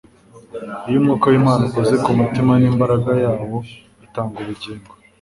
Iyo Umwuka w'Imana ukoze ku mutima n'imbaraga yawo itanga ubugingo,